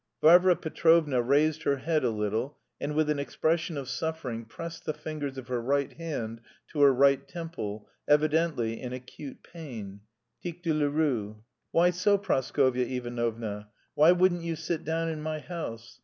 Varvara Petrovna raised her head a little, and with an expression of suffering pressed the fingers of her right hand to her right temple, evidently in acute pain (tic douloureux). "Why so, Praskovya Ivanovna; why wouldn't you sit down in my house?